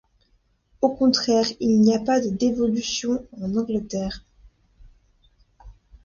Au contraire, il n'y a pas de dévolution en Angleterre.